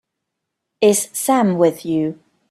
Is Sam with you?